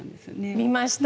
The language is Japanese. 見ました。